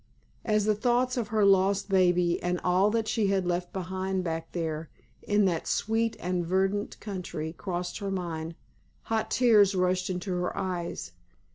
As the thoughts of her lost baby, and all that she had left behind back there in that sweet and verdant country crossed her mind, hot tears rushed into her eyes.